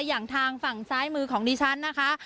อย่างทางฝั่งซ้ายมือของดิฉันนะคะ